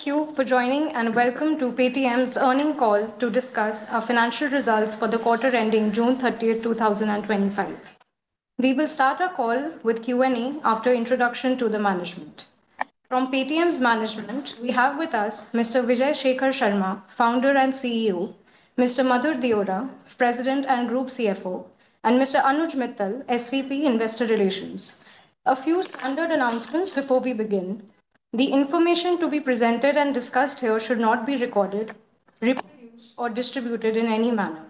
Thank you for joining, and welcome to Paytm's earning call to discuss our financial results for the quarter ending 06/30/2025. We will start our call with q and a after introduction to the management. From PTM's management, we have with us mister Vijay Shekar Sharma, founder and CEO mister Madhur Diora, president and group CFO and Mr. Anuj Mittal, SVP, Investor Relations. A few standard announcements before we begin. The information to be presented and discussed here should not be recorded, reproduced, or distributed in any manner.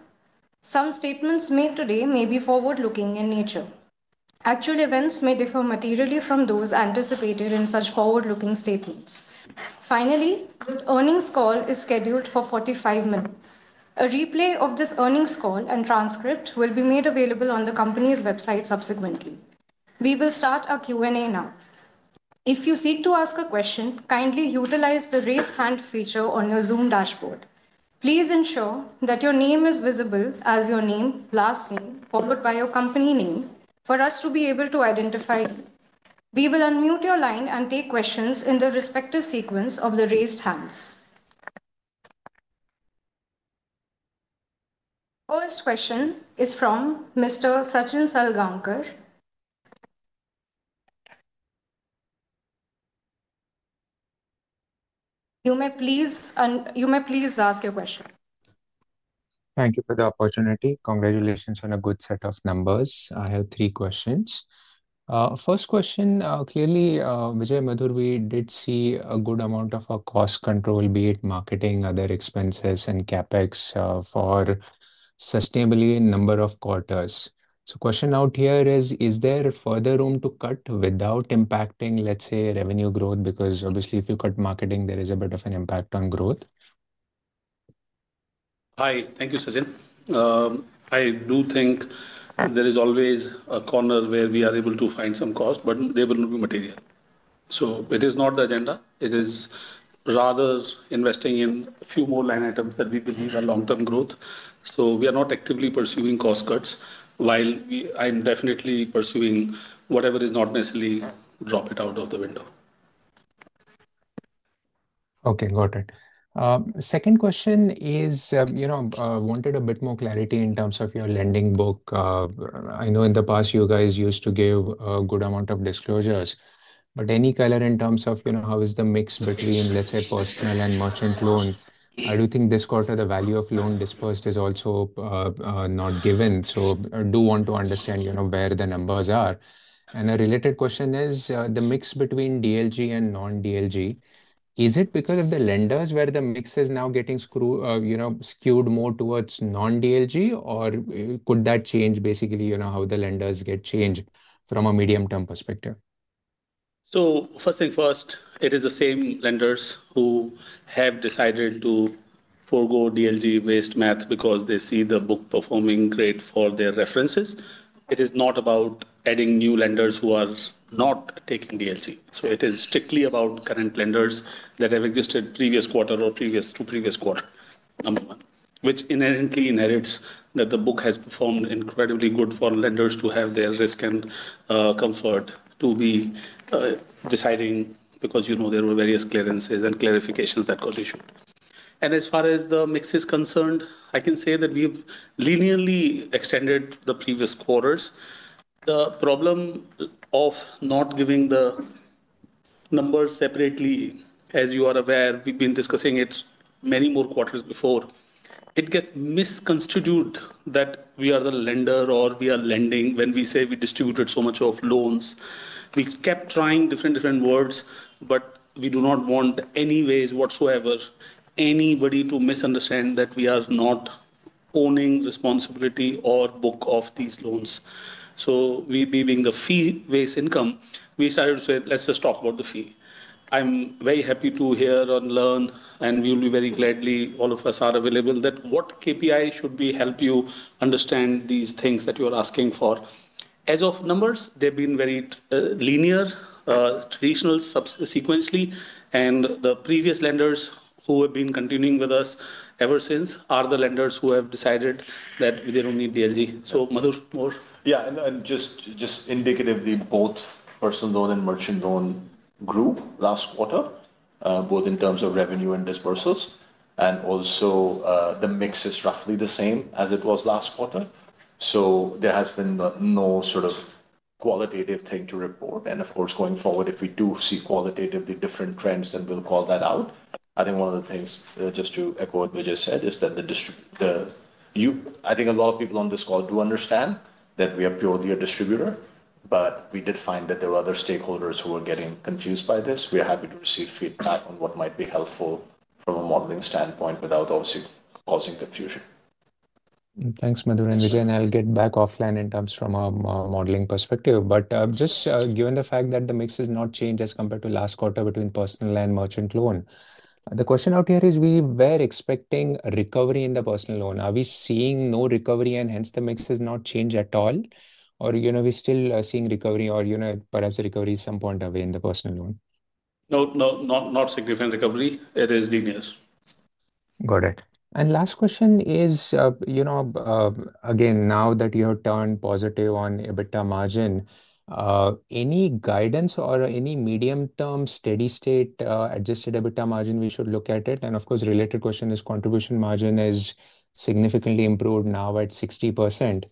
Some statements made today may be forward looking in nature. Actual events may differ materially from those anticipated in such forward looking statements. Finally, this earnings call is scheduled for forty five minutes. A replay of this earnings call and transcript will be made available on the company's website subsequently. We will start our q and a now. If you seek to ask a question, kindly utilize the raise hand feature on your Zoom dashboard. Please ensure that your name is visible as your name, last name, followed by your company name for us to be able to identify you. We will unmute your line and take questions in the respective sequence of the raised hands. First question is from mister Sachin Salgankar. You may please un you may please ask your question. Thank you for the opportunity. Congratulations on a good set of numbers. I have three questions. First question, clearly, Vijay and Madhu, we did see a good amount of our cost control, be it marketing, other expenses, and CapEx for sustainably in number of quarters. So question out here is, is there further room to cut without impacting, let's say, revenue growth? Because, obviously, if you cut marketing, there is a bit of an impact on growth. Hi. Thank you, Sachin. I do think there is always a corner where we are able to find some cost, but they will not be material. So it is not the agenda. It is rather investing in a few more line items that we believe are long term growth. So we are not actively pursuing cost cuts while we I'm definitely pursuing whatever is not necessarily drop it out of the window. Okay. Got it. Second question is, you know, I wanted a bit more clarity in terms of your lending book. I know in the past, you guys used to give a good amount of disclosures. But any color in terms of, you know, how is the mix between, let's say, personal and merchant loans? I do think this quarter, the value of loan disposed is also, not given. So I do want to understand, you know, where the numbers are. And a related question is, the mix between DLG and non DLG, Is it because of the lenders where the mix is now getting screw you know, skewed more towards non DLG, or could that change basically, you know, how the lenders get changed from a medium term perspective? So first thing first, it is the same lenders who have decided to forego DLG based math because they see the book performing great for their references. It is not about adding new lenders who are not taking DLT. So it is strictly about current lenders that have existed previous quarter or previous to previous quarter, number one, which inherently inherits that the book has performed incredibly good for lenders to have their risk and comfort to be deciding because there were various clearances and clarifications that got issued. And as far as the mix is concerned, I can say that we've linearly extended the previous quarters. The problem of not giving the numbers separately, as you are aware, we've been discussing it many more quarters before. It gets misconstituted that we are the lender or we are lending when we say we distributed so much of loans. We kept trying different different words, but we do not want anyways whatsoever anybody to misunderstand that we are not owning responsibility or book of these loans. So we be being the fee based income, we started to say, let's just talk about the fee. I'm very happy to hear and learn, and we'll be very gladly all of us are available that what KPI should we help you understand these things that you are asking for. As of numbers, they've been very linear, traditional sequentially. And the previous lenders who have been continuing with us ever since are the lenders who have decided that they don't need DLG. So Madhu, more? Yes. And just indicative of the both personal loan and merchant loan grew last quarter, both in terms of revenue and disposals. And also the mix is roughly the same as it was last quarter. So there has been no sort of qualitative thing to report. And of course, going forward, if we do see qualitatively different trends, then we'll call that out. I think one of the things, just to echo what Vijay said, is that the I think a lot of people on this call do understand that we are purely a distributor, but we did find that there were other stakeholders who were getting confused by this. We are happy to receive feedback on what might be helpful from a modeling standpoint without, obviously, causing confusion. Thanks, Madhu Ranjan. I'll get back offline in terms from a modeling perspective. But, just, given the fact that the mix has not changed as compared to last quarter between personal and merchant loan, The question out here is we were expecting a recovery in the personal loan. Are we seeing no recovery and hence the mix has not changed at all? Or, you know, we're still seeing recovery or, you know, perhaps a recovery at some point of it in the personal loan? No. No. Not not significant recovery. It is the news. Got it. And last question is, you know, again, now that you have turned positive on EBITDA margin, any guidance or any medium term steady state adjusted EBITDA margin we should look at it? And, of course, related question is contribution margin is significantly improved now at 60%.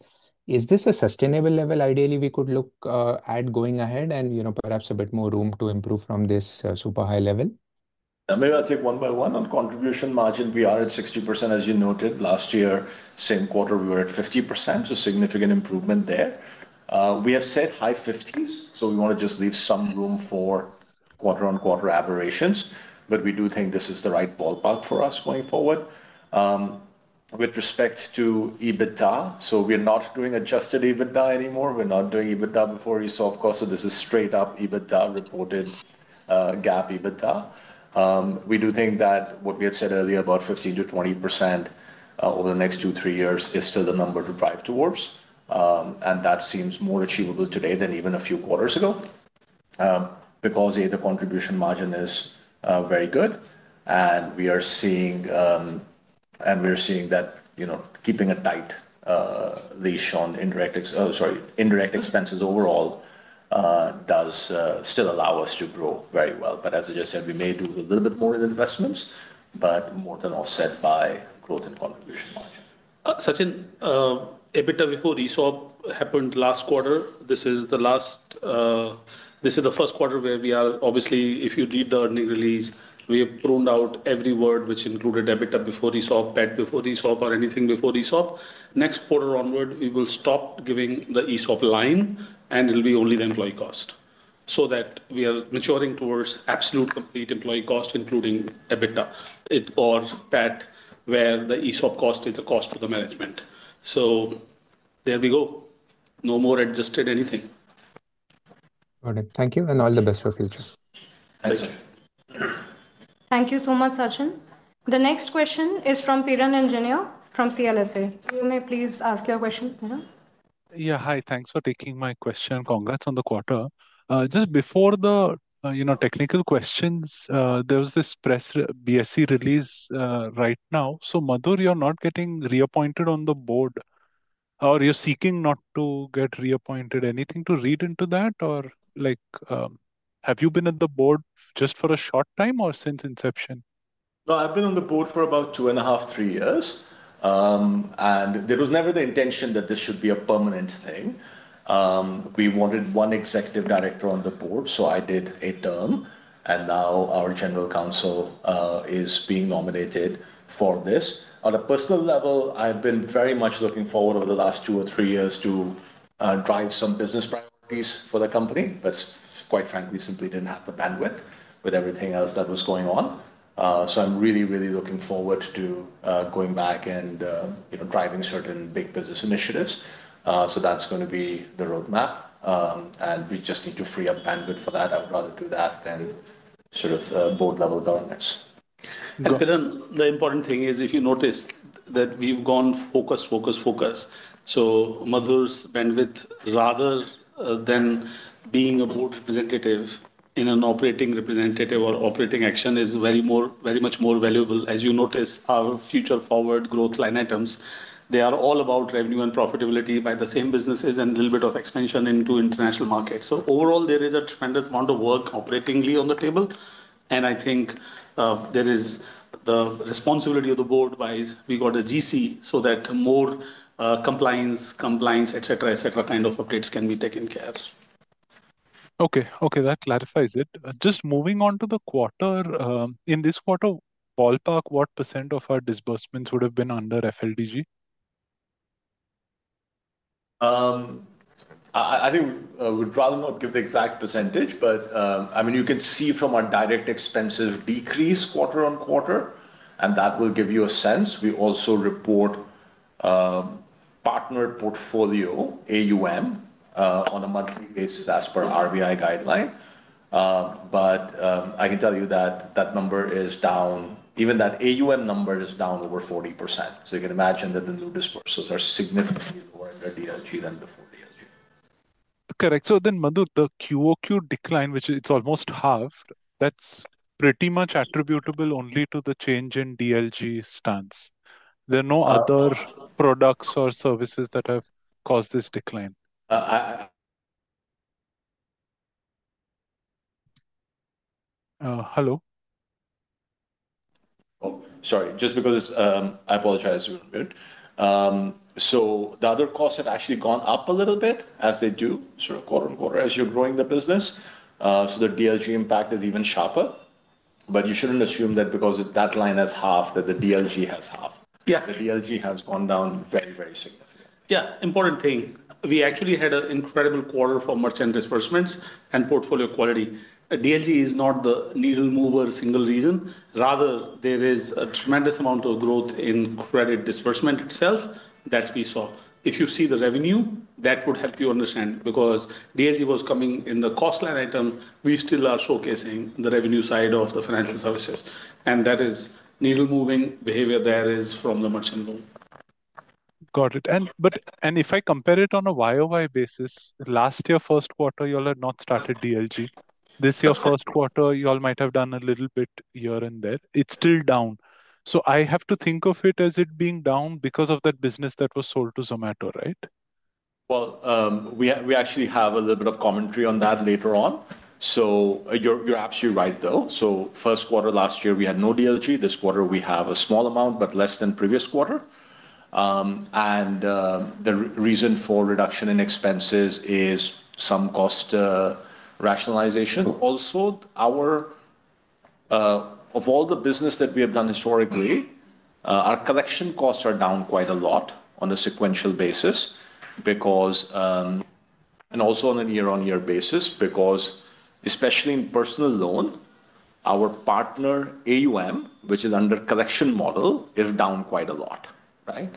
Is this a sustainable level? Ideally, we could look at going ahead and, you know, perhaps a bit more room to improve from this super high level? Maybe I'll take one by one. On contribution margin, we are at 60%. As you noted last year, same quarter, we were at 50%, so significant improvement there. We have said high fifties, so we want to just leave some room for quarter on quarter aberrations, but we do think this is the right ballpark for us going forward. With respect to EBITDA, so we are not doing adjusted EBITDA anymore. We're not doing EBITDA before you saw, of course, so this is straight up EBITDA reported GAAP EBITDA. We do think that what we had said earlier about 15% to 20% over the next two, three years is still the number to drive towards. And that seems more achievable today than even a few quarters ago because, a, the contribution margin is very good. And we are seeing that keeping a tight leash on indirect sorry, indirect expenses overall does still allow us to grow very well. But as I just said, we may do a little bit more in investments, but more than offset by growth in contribution margin. Sachin, EBITDA before ESOP happened last quarter. This is the last this is the first quarter where we are obviously, if you read the earnings release, we have pruned out every word which included EBITDA before ESOP, PED before ESOP or anything before ESOP. Next quarter onward, we will stop giving the ESOP line, and it'll be only the employee cost so that we are maturing towards absolute complete employee cost including EBITDA. It or that where the ESOP cost is the cost of the management. So there we go. No more adjusted anything. Got it. Thank you, and all the best for future. Thank you. You so much, Sachin. The next question is from Piran Engineer from CLSA. You may please ask your question, Piran. Yeah. Hi. Thanks for taking my question. Congrats on the quarter. Just before the technical questions, there was this press BSC release right now. So, Madhu, you're not getting reappointed on the board. Are you seeking not to get reappointed? Anything to read into that? Or, like, have you been at the board just for a short time or since inception? No. I've been on the board for about two and a half, three years, and there was never the intention that this should be a permanent thing. We wanted one executive director on the board, so I did a term. And now our general counsel is being nominated for this. On a personal level, I've been very much looking forward over the last two or three years to drive some business priorities for the company, but quite frankly, simply didn't have the bandwidth with everything else that was going on. So I'm really, really looking forward to going back and driving certain big business initiatives. So that's going to be the roadmap. And we just need to free up bandwidth for that. I'd rather do that than sort of board level governance. And Kiran, the important thing is if you noticed that we've gone focus, focus, focus. So mother's bandwidth rather than being a board representative in an operating representative or operating action is very more very much more valuable. As you notice, our future forward growth line items, they are all about revenue and profitability by the same businesses and a little bit of expansion into international markets. So overall, there is a tremendous amount of work operatingly on the table. And I think there is the responsibility of the board wise, we got the GC so that more compliance compliance, etcetera, etcetera kind of updates can be taken care. Okay. Okay. That clarifies it. Just moving on to the quarter, in this quarter, ballpark, what percent of our disbursements would have been under FLDG? I think I would rather not give the exact percentage, but I mean, you can see from our direct expenses decrease quarter on quarter, and that will give you a sense. We also report partnered portfolio, AUM, on a monthly basis as per RBI guideline. But I can tell you that, that number is down even that AUM number is down over 40%. So you can imagine that the new disposals are significantly than than before DLG. Correct. So then, Madhu, the q o q decline, which is almost half, that's pretty much attributable only to the change in DLG stance. There are no other products or services that have caused this decline? Hello? Oh, sorry. Just because, I apologize. So the other costs have actually gone up a little bit as they do sort of quarter on quarter as you're growing the business. So the DLG impact is even sharper, but you shouldn't assume that because that line has half that the DLG has half. Yeah. The DLG has gone down very, very soon. Important thing. We actually had an incredible quarter for merchant disbursements and portfolio quality. DLG is not the needle mover single reason. Rather, there is a tremendous amount of growth in credit disbursement itself that we saw. If you see the revenue, that would help you understand because DLT was coming in the cost line item. We still are showcasing the revenue side of the financial services, And that is needle moving behavior there is from the merchant loan. Got it. And but and if I compare it on a y o y basis, last year first quarter, you all had not started DLG. This year first quarter, you all might have done a little bit here and there. It's still down. So I have to think of it as it being down because of that business that was sold to Zomato. Right? Well, we we actually have a little bit of commentary on that later on. So you're you're absolutely right, though. So first quarter last year, we had no DLG. This quarter, we have a small amount, but less than previous quarter. And the reason for reduction in expenses is some cost rationalization. Also, our of all the business that we have done historically, our collection costs are down quite a lot on a sequential basis because and also on a year on year basis because especially in personal loan, our partner AUM, which is under collection model, is down quite a lot, right?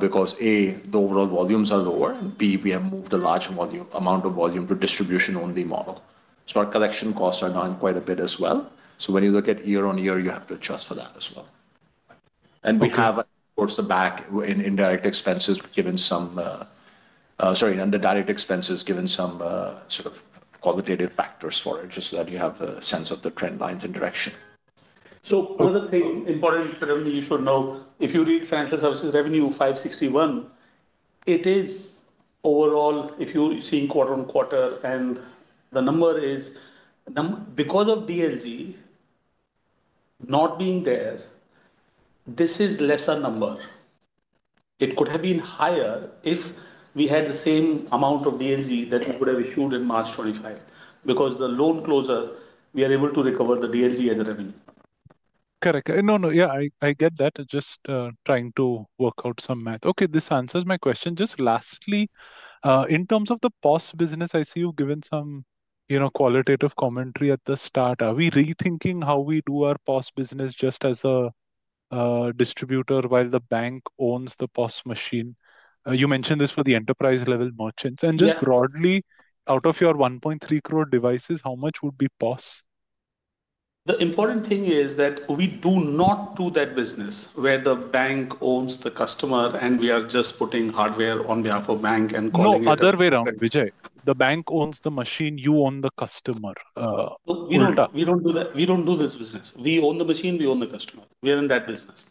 Because, a, the overall volumes are lower and b, we have moved a large volume amount of volume to distribution only model. So our collection costs are down quite a bit as well. So when you look at year on year, you have to adjust for that as well. We have, of course, the back in indirect expenses given some sorry, and the direct expenses given some sort of qualitative factors for it just so that you have a sense of the trend lines and direction. So one of the things important for revenue you should know, if you read Francis Services revenue May, it is overall, if you're seeing quarter on quarter and the number is numb because of DLC not being there, this is lesser number. It could have been higher if we had the same amount of DLC that we could have issued in March 25 Because the loan closer, we are able to recover the DNG and the revenue. Correct. No. No. Yeah. I I get that. Just, trying to work out some math. Okay. This answers my question. Just lastly, in terms of the POS business, I see you've given some, you know, qualitative commentary at the start. Are we rethinking how we do our POS business just as a distributor while the bank owns the POS machine? You mentioned this for the enterprise level merchants. And just broadly, out of your 1.3 crore devices, how much would be POS? The important thing is that we do not do that business where the bank owns the customer, and we are just putting hardware on behalf of bank and calling it. Other way around, Vijay. The bank owns the machine. You own the customer. Don't we don't do that. We don't do this business. We own the machine. We own the customer. We are in that business.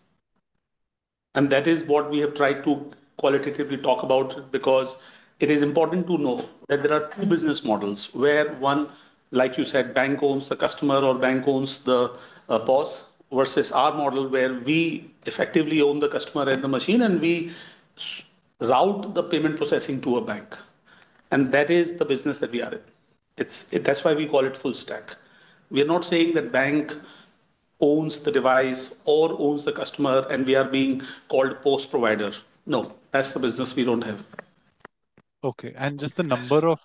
And that is what we have tried to qualitatively talk about because it is important to know that there are two business models where one, like you said, bank owns the customer or bank owns the boss versus our model where we effectively own the customer and the machine, and we route the payment processing to a bank. And that is the business that we are in. It's that's why we call it full stack. We are not saying that bank owns the device or owns the customer, and we are being called post provider. No. That's the business we don't have. Okay. And just the number of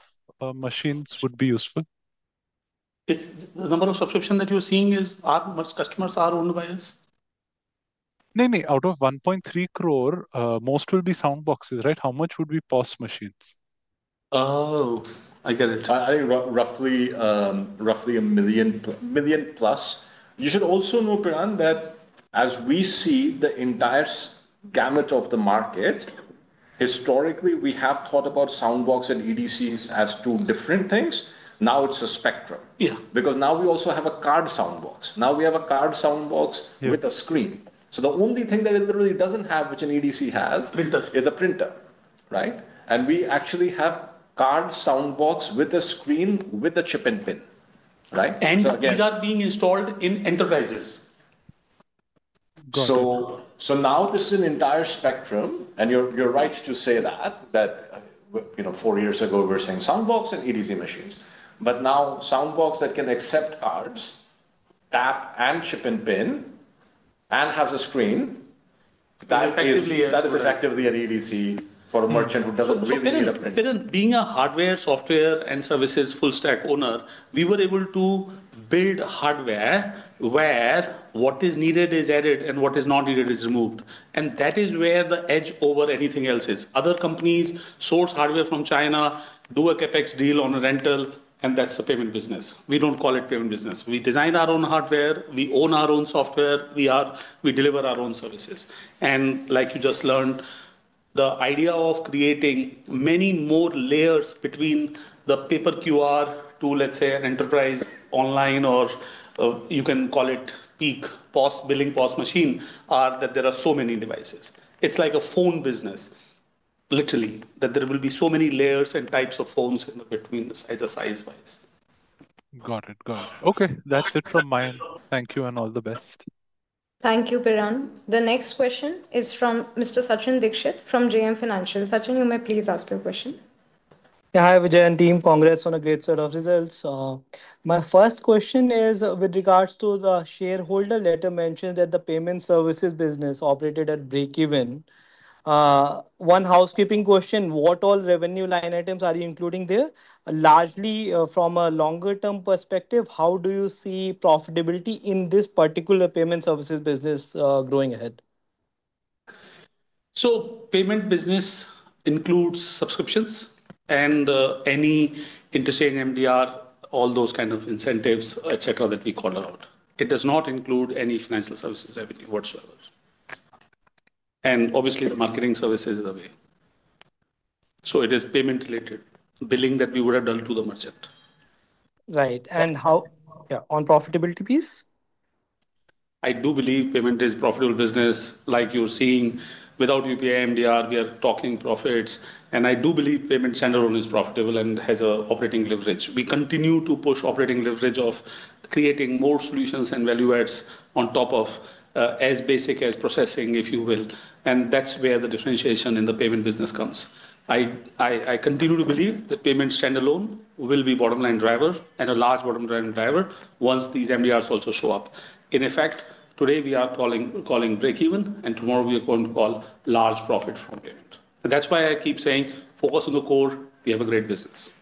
machines would be useful? It's the number of subscription that you're seeing is our most customers are owned by us. Namely, out of 1.3 crore, most will be sound boxes. Right? How much would be post machines? Oh, I get it. I I roughly roughly a million million plus. You should also know, Peran, that as we see the entire gamut of the market, historically, we have thought about soundbox and EDCs as two different things. Now it's a spectrum. Yeah. Because now we also have a card soundbox. Now we have a card soundbox with a screen. So the only thing that it literally doesn't have, which an EDC has Printer. Is a printer. Right? And we actually have card, sound box with a screen, with a chip and pin. Right? And these are being installed in enterprises. Got it. So now this is an entire spectrum, and you're you're right to say that that, you know, four years ago, we were saying Soundbox and EDC machines. But now Soundbox that can accept cards, tap and chip and PIN, and has a screen, that is that is effectively an EDC being a hardware, software, and services full stack owner, we were able to build hardware where what is needed is added and what is not needed is removed. And that is where the edge over anything else is. Other companies source hardware from China, do a CapEx deal on a rental, and that's a payment business. We don't call it payment business. We design our own hardware. We own our own software. We are we deliver our own services. And like you just learned, the idea of creating many more layers between the paper QR to, let's say, an enterprise online or you can call it peak POS billing, POS machine are that there are so many devices. It's like a phone business, literally, that there will be so many layers and types of phones in between the size wise. Got it. Got it. Okay. That's it from my end. Thank you, and all the best. Thank you, Piran. The next question is from mister Sachin Dixit from JM Financial. Sachin, you may please ask your question. Yeah. Hi, Vijayan team. Congrats on a great set of results. My first question is with regards to the shareholder letter mentioned that the payment services business operated at breakeven. One housekeeping question, what all revenue line items are you including there? Largely, from a longer term perspective, how do you see profitability in this particular payment services business going ahead? So payment business includes subscriptions and, any interesting MDR, all those kind of incentives, etcetera, that we call out. It does not include any financial services revenue whatsoever. And, obviously, the marketing services are there. So it is payment related, billing that we would have done to the merchant. Right. And how yeah. On profitability piece? I do believe payment is profitable business like you're seeing. Without UPA MDR, we are talking profits. And I do believe payment center is profitable and has a operating leverage. We continue to push operating leverage of creating more solutions and value adds on top of, as basic as processing, if you will. And that's where the differentiation in the payment business comes. I I I continue to believe that payment standalone will be bottom line driver and a large bottom line driver once these MDRs also show up. In effect, we are calling calling breakeven, and tomorrow, we are going to call large profit from payment. So that's why I keep saying focus on the core. We have a great business.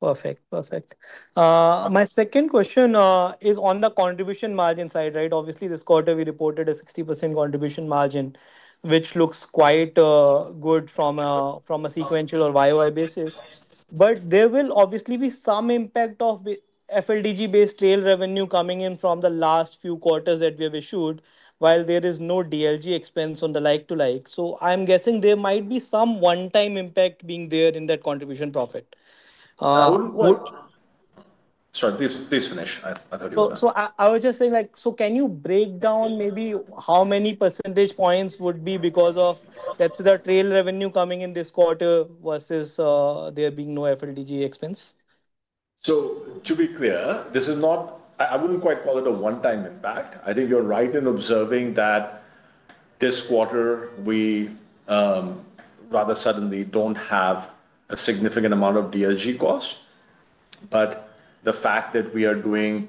Perfect. Perfect. My second question is on the contribution margin side. Right? Obviously, this quarter, we reported a 60% contribution margin, which looks quite good from a from a sequential or Y o Y basis. But there will obviously be some impact of the FLDG based trail revenue coming in from the last few quarters that we have issued while there is no DLP expense on the like to like. So I'm guessing there might be some one time impact being there in that contribution profit. I wouldn't sorry. Please please finish. I I thought you So I I was just saying, so can you break down maybe how many percentage points would be because of that's the trail revenue coming in this quarter versus, there being no FLTG expense? So to be clear, this is not I I wouldn't quite call it a onetime impact. I think you're right in observing that this quarter, we, rather suddenly don't have a significant amount of DLG cost. But the fact that we are doing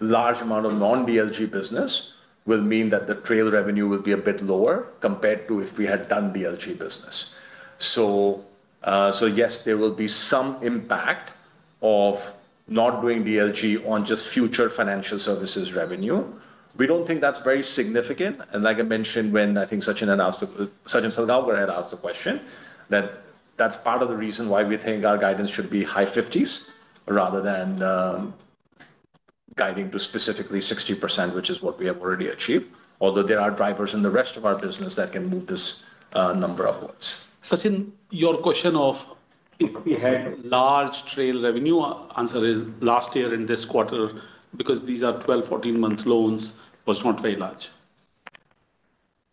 large amount of non DLG business will mean that the trail revenue will be a bit lower compared to if we had done DLG business. So yes, there will be some impact of not doing DLG on just future financial services revenue. We don't think that's very significant. And like I mentioned when I think Sachin announced Sachin Saldagar had asked the question, that that's part of the reason why we think our guidance should be high 50s rather than guiding to specifically 60%, which is what we have already achieved. Although there are drivers in the rest of our business that can move this, number upwards. Sachin, your question of if we had large trail revenue, answer is last year in this quarter because these are twelve, fourteen months loans was not very large.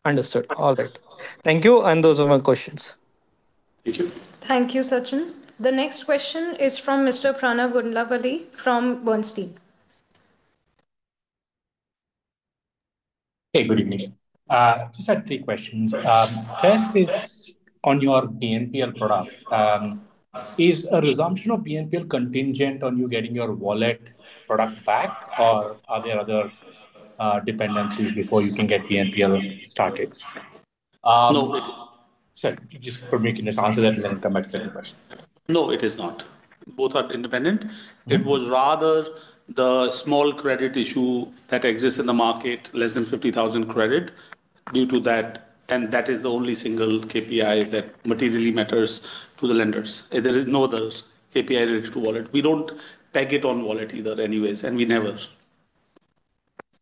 Understood. Alright. Thank you. And those are my questions. Thank you. Thank you, Sachin. The next question is from mister Prana Gundlavadhi from Bernstein. Hey. Good evening. Just had three questions. First is on your PNPL product. Is a resumption of PNPL contingent on you getting your wallet product back, or are there other dependencies before you can get the NPL started? No. It Sir, just for making this answer, then we're gonna come back to the second question. No. It is not. Both are independent. It was rather the small credit issue that exists in the market, less than 50,000 credit due to that, and that is the only single KPI that materially matters to the lenders. There is no other KPI risk to wallet. We don't take it on wallet either anyways, and we never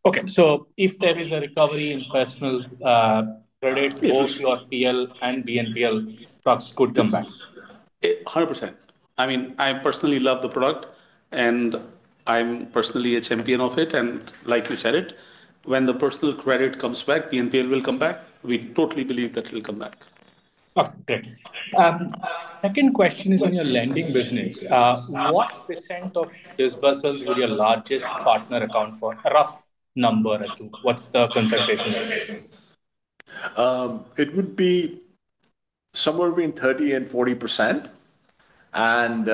Okay. So if there is a recovery in personal credit, both your PL and BNPL, stocks could come back. 100%. I mean, I personally love the product, and I'm personally a champion of it. And like you said it, when the personal credit comes back, E and P will come back. We totally believe that it'll come back. Okay. Second question is on your lending business. What percent of disbursals will your largest partner account for? Rough number as well. What's the concentration? It would be somewhere between 3040%, And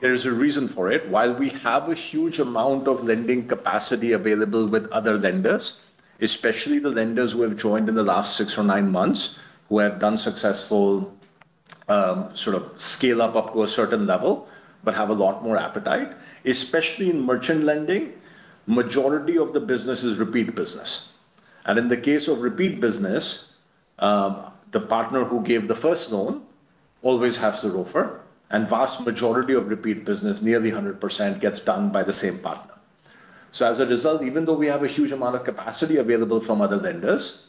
there's a reason for it. While we have a huge amount of lending capacity available with other lenders, especially the lenders who have joined in the last six or nine months, who have done successful sort of scale up up to a certain level, but have a lot more appetite. Especially in merchant lending, majority of the business is repeat business. And in the case of repeat business, the partner who gave the first loan always has the roofer, and vast majority of repeat business, nearly 100% gets done by the same partner. So as a result, even though we have a huge amount of capacity available from other vendors,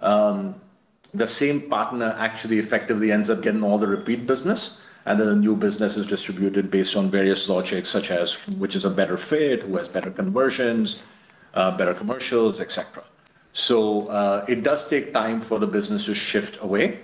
the same partner actually effectively ends up getting all the repeat business, and then the new business is distributed based on various logics such as which is a better fit, who has better conversions, better commercials, etcetera. So, it does take time for the business to shift away.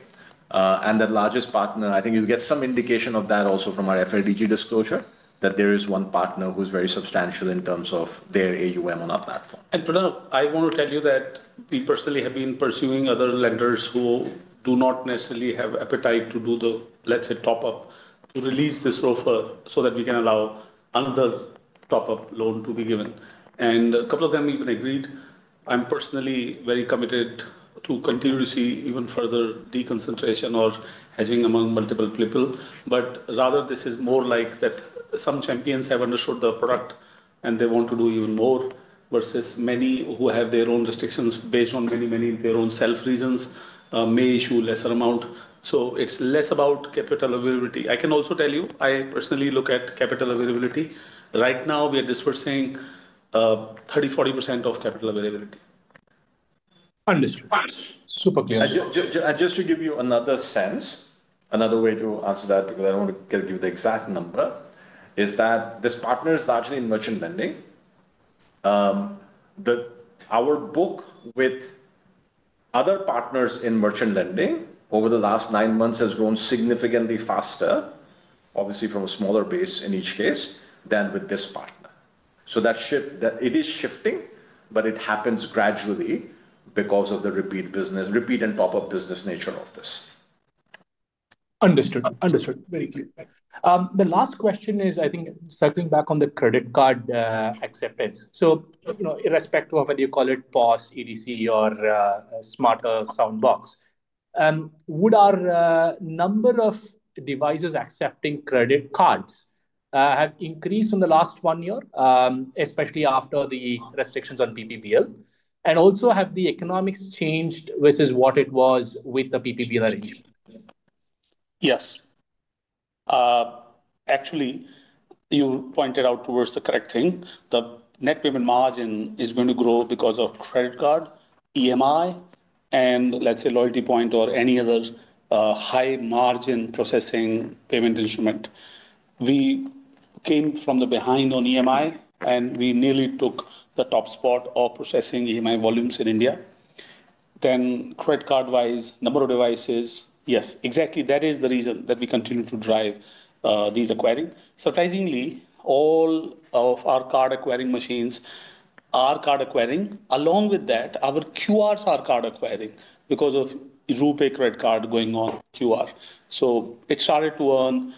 And the largest partner, I think you'll get some indication of that also from our FRDG disclosure, that there is one partner who's very substantial in terms of their AUM on our platform. And Pradhan, I wanna tell you that we personally have been pursuing other lenders who do not necessarily have appetite to do the, let's say, top up to release this offer so that we can allow another top up loan to be given. And a couple of them even agreed. I'm personally very committed to continuously even further deconcentration or hedging among multiple people, but rather this is more like that some champions have understood the product and they want to do even more versus many who have their own restrictions based on many, many of their own self reasons, may issue lesser amount. So it's less about capital availability. I can also tell you, I personally look at capital availability. Right now, we are dispersing 40% of capital availability. Understood. Super clear. Just to give you another sense, another way to answer that because I don't wanna give you the exact number, is that this partner is largely in merchant lending. The our book with other partners in merchant lending over the last nine months has grown significantly faster, obviously, from a smaller base in each case than with this partner. So that shift that it is shifting, but it happens gradually because of the repeat business repeat and top up business nature of this. Understood. Understood. Very clear. The last question is, I think, circling back on the credit card, acceptance. You know, irrespective of whether you call it pause, EDC, or smarter sound box, would our number of devices accepting credit cards have increased in the last one year, especially after the restrictions on PPPL. And also have the economics changed versus what it was with the PPPL arrangement? Yes. Actually, you pointed out towards the correct thing. The net payment margin is going to grow because of credit card, EMI, and let's say loyalty point or any other high margin processing payment instrument. We came from the behind on EMI, and we nearly took the top spot of processing EMI volumes in India. Then credit card wise, number of devices, yes, exactly. That is the reason that we continue to drive, these acquiring. Surprisingly, all of our card acquiring machines are card acquiring. Along with that, our QRs are card acquiring because of Rupeg credit card going on QR. So it started to earn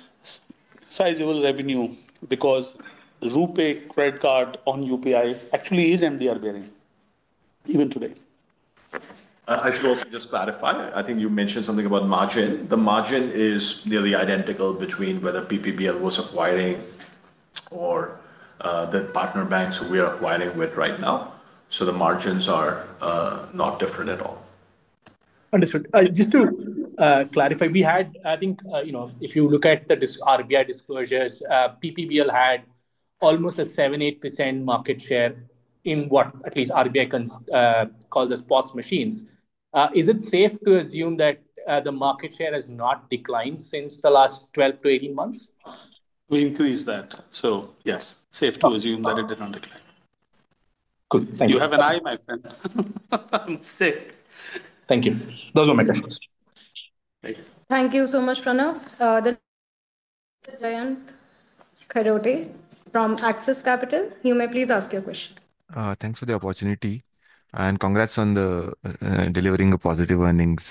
sizable revenue because Rupeg credit card on UPI actually is MDR bearing even today. I should also just clarify. I think you mentioned something about margin. The margin is nearly identical between whether PPBL was acquiring or the partner banks we are acquiring with right now. So the margins are not different at all. Understood. Just to clarify, we had I think, you know, if you look at the dis RBI disclosures, PPVL had almost a 8% market share in what at least RBI can call this boss machines. Is it safe to assume that the market share has not declined since the last twelve to eighteen months? We increased that. So, yes, safe to assume that it did not decline. Good. Thank you. You have an eye, my friend. I'm sick. Thank you. Those were my questions. Thank you so much, Pranav. The Jayant Karate from Axis Capital. You may please ask your question. Thanks for the opportunity, and congrats on the, delivering a positive earnings,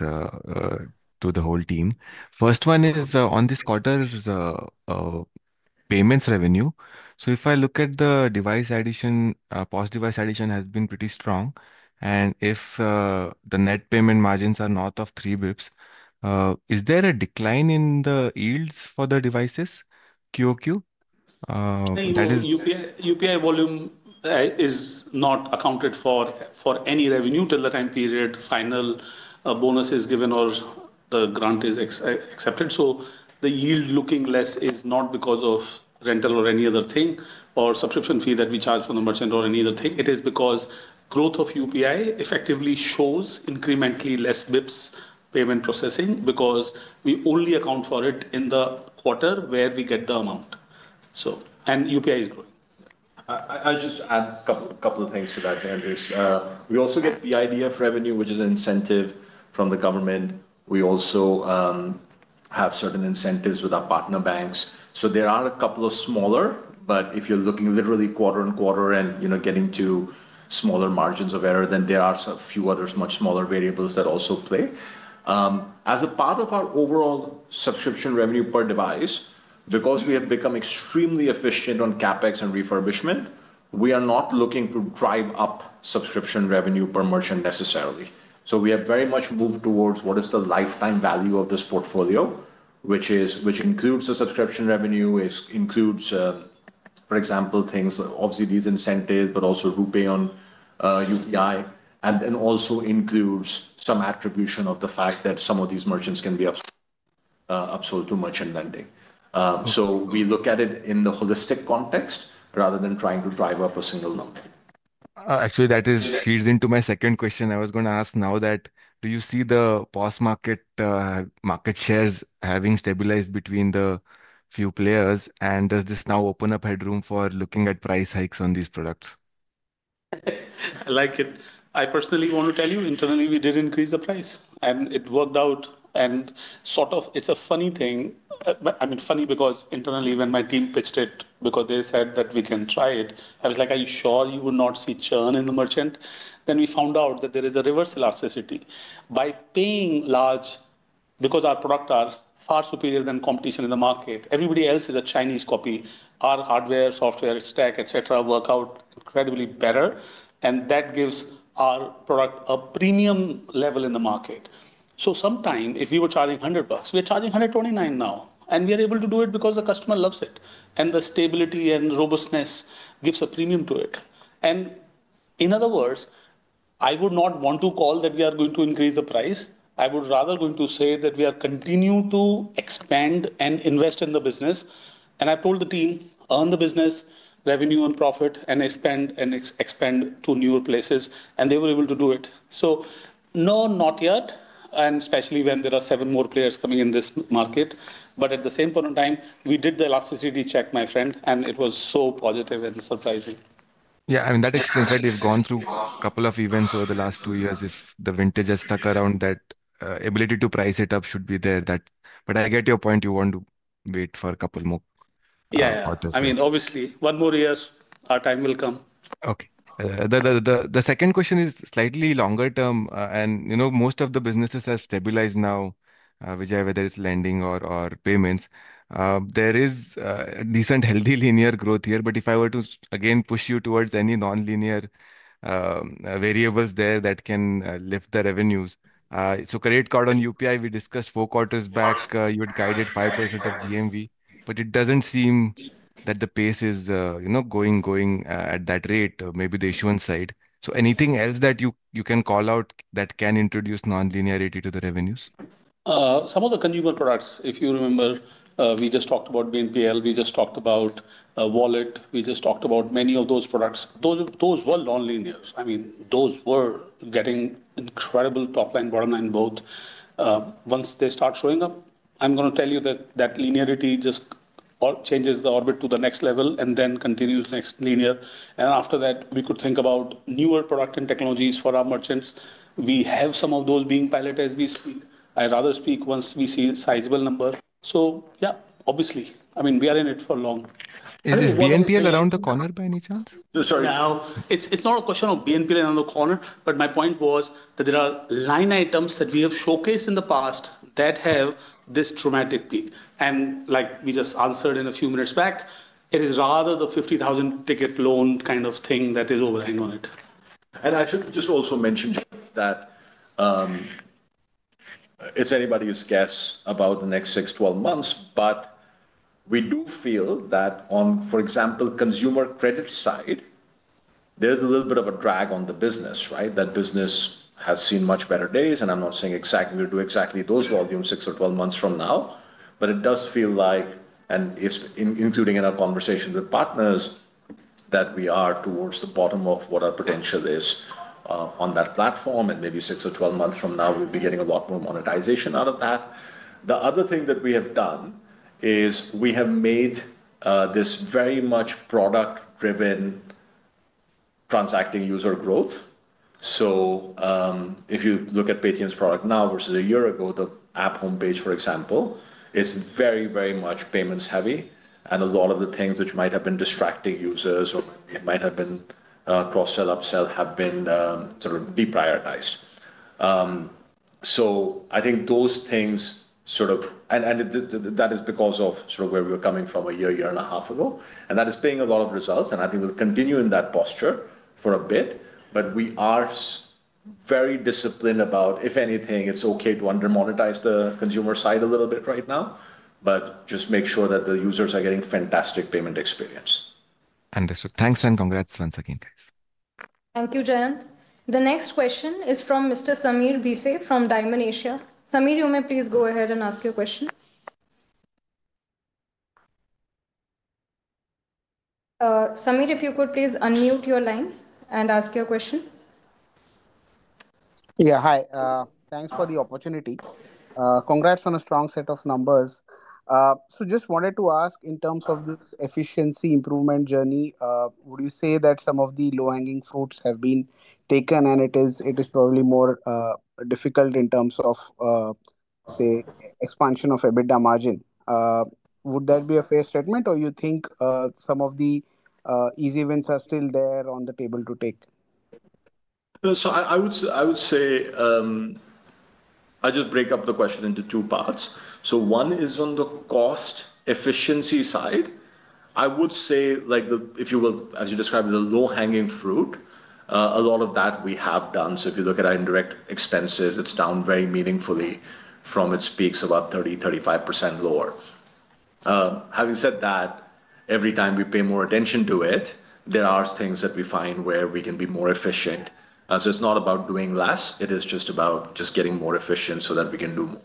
to the whole team. First one is, on this quarter's payments revenue. So if I look at the device addition, post device addition has been pretty strong. And if, the net payment margins are north of three bps, is there a decline in the yields for the devices q o q? The yield UPI volume, is not accounted for for any revenue till the time period final bonus is given or the grant is accepted. So the yield looking less is not because of rental or any other thing or subscription fee that we charge from the merchant or any other thing. It is because growth of UPI effectively shows incrementally less bps payment processing because we only account for it in the quarter where we get the amount. So and UPI is good. I'll just add a couple of things to that, Andres. We also get the idea of revenue, which is an incentive from the government. We also have certain incentives with our partner banks. So there are a couple of smaller, but if you're looking literally quarter on quarter and, you know, getting to smaller margins of error, then there are a few others much smaller variables that also play. As a part of our overall subscription revenue per device, because we have become extremely efficient on CapEx and refurbishment, we are not looking to drive up subscription revenue per merchant necessarily. So we have very much moved towards what is the lifetime value of this portfolio, which is which includes the subscription revenue, which includes, for example, things, obviously, these incentives, but also who pay on UPI and also includes some attribution of the fact that some of these merchants can be upsold to merchant lending. So we look at it in the holistic context rather than trying to drive up a single number. Actually, is feeds into my second question. I was gonna ask now that do you see the POS market market shares having stabilized between the few players? And does this now open up headroom for looking at price hikes on these products? I like it. I personally want to tell you, internally, we did increase the price. And it worked out and sort of it's a funny thing. I mean, funny because internally, when my team pitched it, because they said that we can try it, I was like, are you sure you will not see churn in the merchant? Then we found out that there is a reverse elasticity. By paying large because our product are far superior than competition in the market, everybody else is a Chinese copy. Our hardware, software, stack, etcetera, work out incredibly better, and that gives our product a premium level in the market. So sometime, if you were charging $100, we're charging 129 now, and we are able to do it because the customer loves it, and the stability and robustness gives a premium to it. And in other words, I would not want to call that we are going to increase the price. I would rather going to say that we are continuing to expand and invest in the business. And I told the team, earn the business, revenue and profit and expand to newer places, and they were able to do it. So no, not yet, and especially when there are seven more players coming in this market. But at the same point in time, we did the elasticity check, my friend, and it was so positive and surprising. Yeah. I mean, that explains that they've gone through couple of events over the last two years. If the vintage has stuck around, that ability to price it up should be there. That but I get your point. You want to wait for a couple more Yeah. Quarters. I mean, obviously, one more years, our time will come. Okay. The the the the second question is slightly longer term, and, you know, most of the businesses have stabilized now, whichever there is lending or or payments. There is a decent healthy linear growth here, but if I were to, again, push you towards any nonlinear variables there that can lift the revenues so credit card on UPI, we discussed four quarters back. You had guided 5% of GMV, but it doesn't seem that the pace is, you know, going going at that rate, maybe the issuance side. So anything else that you you can call out that can introduce nonlinearity to the revenues? Some of the consumer products, if you remember, we just talked about BNPL. We just talked about wallet, we just talked about many of those products. Those those were nonlinears. I mean, those were getting incredible top line, bottom line both. Once they start showing up, I'm gonna tell you that that linearity just changes the orbit to the next level and then continues next linear. And after that, we could think about newer product and technologies for our merchants. We have some of those being pilot as we speak. I'd rather speak once we see a sizable number. So, yep, obviously. I mean, we are in it for long. Is BNPL around the corner by any chance? No. Sorry. Now, it's it's not a question of BNPL around the corner, but my point was that there are line items that we have showcased in the past that have this dramatic peak. And like we just answered in a few minutes back, it is rather the 50,000 ticket loan kind of thing that is overhang on it. And I should just also mention that it's anybody's guess about the next six, twelve months, but we do feel that on, for example, consumer credit side, there's a little bit of a drag on the business, right? That business has seen much better days, and I'm not saying exactly we'll do exactly those volumes six or twelve months from now. But it does feel like and it's including in our conversations with partners that we are towards the bottom of what our potential is on that platform. And maybe six or twelve months from now, we'll be getting a lot more monetization out of that. The other thing that we have done is we have made, this very much product driven transacting user growth. So, if you look at Paytm's product now versus a year ago, the app homepage, for example, is very, very much payments heavy. And a lot of the things which might have been distracting users or it might have been cross sell, upsell have been sort of deprioritized. So I think those things sort of and that is because of sort of where we were coming from a year, year and a half ago. And that is paying a lot of results, and I think we'll continue in that posture for a bit. But we are very disciplined about, if anything, it's okay to under monetize the consumer side a little bit right now, but just make sure that the users are getting fantastic payment experience. Understood. Thanks and congrats once again, guys. Thank you, Jayant. The next question is from Mr. Sameer Bise from Diamond Asia. Sameer, you may please go ahead and ask your question. Samir, if you could please unmute your line and ask your question. Yeah. Hi. Thanks for the opportunity. Congrats on a strong set of numbers. So just wanted to ask in terms of this efficiency improvement journey, would you say that some of the low hanging fruits have been taken and it is it is probably more difficult in terms of, say, expansion of EBITDA margin? Would that be a fair statement, or you think some of the easy wins are still there on the table to take? So I I would I would say I just break up the question into two parts. So one is on the cost efficiency side. I would say, like, the if you will, as you described, the low hanging fruit, a lot of that we have done. So if you look at our indirect expenses, it's down very meaningfully from its peaks about 30%, 35% lower. Having said that, every time we pay more attention to it, there are things that we find where we can be more efficient. So it's not about doing less, it is just about just getting more efficient so that we can do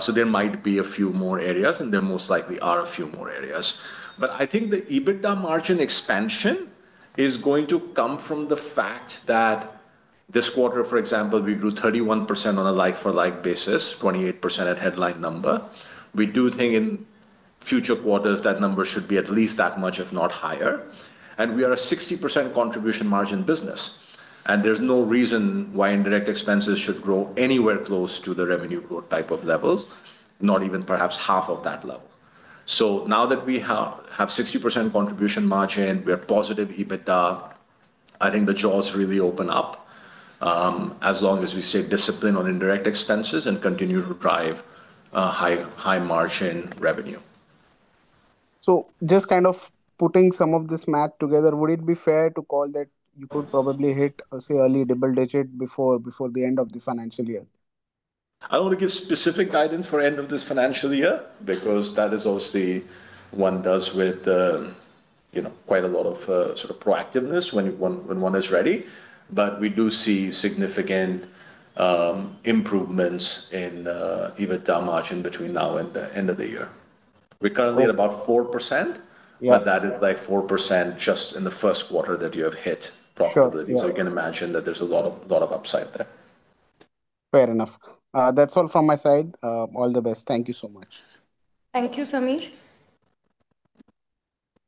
So there might be a few more areas, and there most likely are a few more areas. But I think the EBITDA margin expansion is going to come from the fact that this quarter, for example, we grew 31% on a like for like basis, 28% at headline number. We do think in future quarters that number should be at least that much, if not higher. And we are a 60% contribution margin business. And there's no reason why indirect expenses should grow anywhere close to the revenue growth type of levels, not even perhaps half of that level. So now that we have 60% contribution margin, we have positive EBITDA, I think the jaws really open up, as long as we stay disciplined on indirect expenses and continue to drive high high margin revenue. So just kind of putting some of this math together, would it be fair to call that you could probably hit or say early double digit before before the end of the financial year? I don't wanna give specific guidance for end of this financial year because that is also one does with, you know, quite a lot of sort of proactiveness when when when one is ready. But we do see significant improvements in EBITDA margin between now and the end of the year. We're currently at about 4%, but that is, like, 4% just in the first quarter that you have hit profitability. So you can imagine that there's a lot of lot of upside there. Fair enough. That's all from my side. All the best. Thank you so much. Thank you, Samir.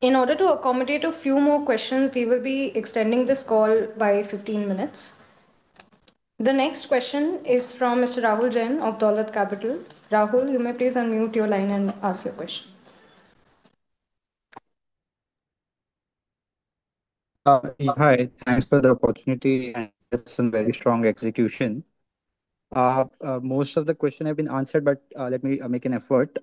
In order to accommodate a few more questions, we will be extending this call by fifteen minutes. The next question is from mister Rahul Jain of Daulat Capital. Rahul, you may please unmute your line and ask your question. Hi. Thanks for the opportunity and some very strong execution. Most of the question have been answered, but let me make an effort.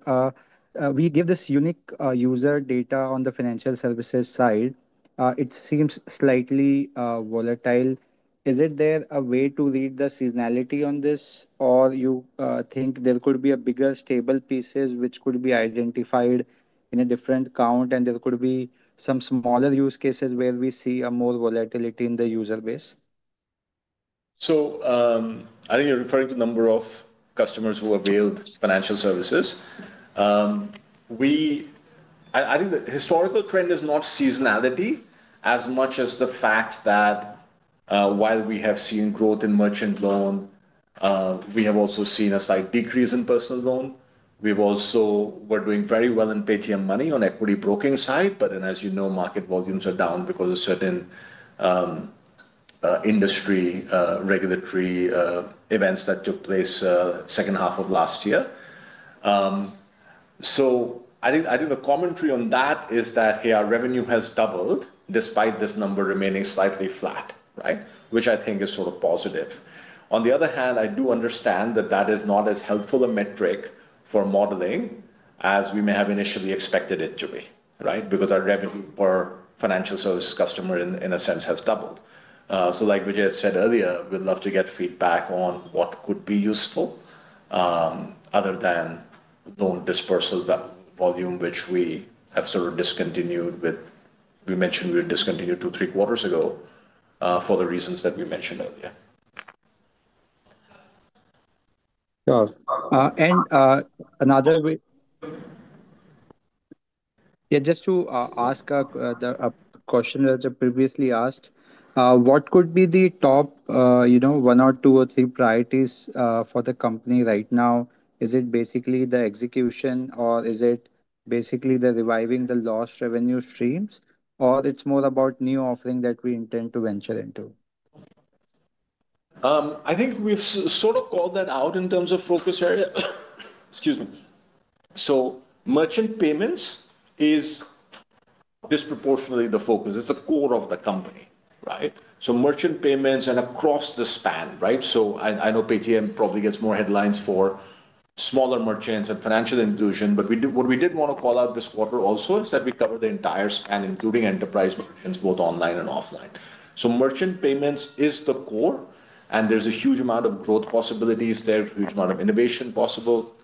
We give this unique user data on the financial services side. It seems slightly volatile. Is it there a way to read the seasonality on this? Or you, think there could be a bigger stable pieces which could be identified in a different count and there could be some smaller use cases where we see a more volatility in the user base? So I think you're referring to number of customers who availed financial services. We I I think the historical trend is not seasonality as much as the fact that while we have seen growth in merchant loan, we have also seen a slight decrease in personal loan. We've also we're doing very well in Paytm Money on equity broking side, but then as you know, market volumes are down because of certain industry regulatory events that took place second half of last year. So I think the commentary on that is that, hey, our revenue has doubled despite this number remaining slightly flat, right, which I think is sort of positive. On the other hand, I do understand that that is not as helpful a metric for modeling as we may have initially expected it to be, right, because our revenue per financial service customer in a sense has doubled. So like Vijay had said earlier, we'd love to get feedback on what could be useful, other than loan dispersal volume, which we have sort of discontinued with mentioned we discontinued two, three quarters ago for the reasons that we mentioned earlier. Got it. And another way yeah. Just to ask the question that you previously asked, what could be the top, you know, one or two or three priorities for the company right now? Is it basically the execution, or is it basically the reviving the lost revenue streams or it's more about new offering that we intend to venture into? I think we've sort of called that out in terms of focus area. Excuse me. So merchant payments is disproportionately the focus. It's the core of the company. Right? So merchant payments and across the span. Right? So I I know Paytm probably gets more headlines for smaller merchants and financial inclusion, but we do what we did wanna call out this quarter also is that we cover the entire span, including enterprise merchants, both online and offline. So merchant payments is the core, and there's a huge amount of growth possibilities there, huge amount of innovation possible,